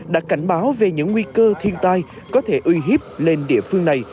đã cảnh báo về những nguy cơ thiên tai có thể uy hiếp lên địa phương này